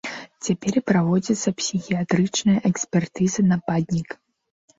Цяпер праводзіцца псіхіятрычная экспертыза нападніка.